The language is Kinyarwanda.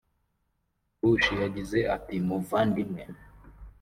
Bush yagize ati “Muvandimwe